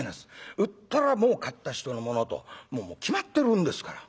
売ったらもう買った人のものともう決まってるんですから。